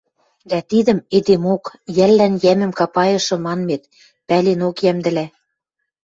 Дӓ тидӹм эдемок, йӓллӓн йӓмӹм капайышы манмет, пӓленок йӓмдӹлӓ!